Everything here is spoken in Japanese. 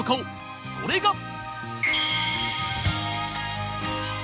それが